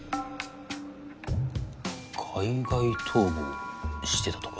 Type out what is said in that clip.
海外逃亡してたとか？